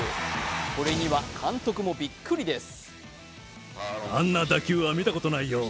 これには監督もびっくりです。